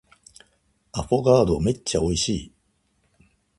アフォガードめっちゃ美味しい